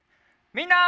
みんな！